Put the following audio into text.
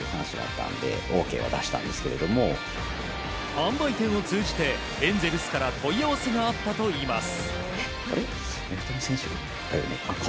販売店を通じてエンゼルスから問い合わせがあったといいます。